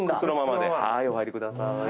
はいお入りください。